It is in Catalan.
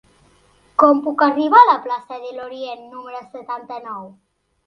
Com puc arribar a la plaça de l'Orient número setanta-nou?